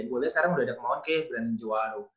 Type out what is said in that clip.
gue liat sekarang udah ada kemauan kayak belen jawaro